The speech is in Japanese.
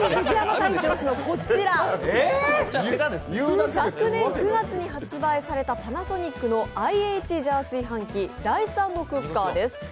こちら、昨年９月に発売されたパナソニックのＩＨジャー炊飯器ライス＆クッカーです。